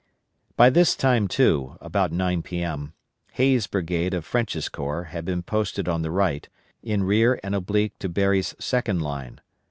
By this time, too (about 9 P.M.), Hays' brigade of French's corps had been posted on the right, in rear and oblique to Berry's second line.